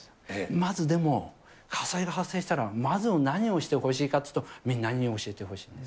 まずでも、火災が発生したら、まず何をしてほしいかっていうと、みんなに教えてほしいんです。